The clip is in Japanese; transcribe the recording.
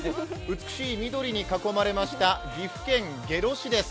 美しい緑に囲まれました岐阜県下呂市です。